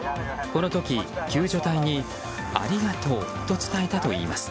この時、救助隊にありがとうと伝えたといいます。